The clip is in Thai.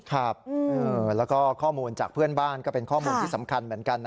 ครับแล้วก็ข้อมูลจากเพื่อนบ้านก็เป็นข้อมูลที่สำคัญเหมือนกันนะ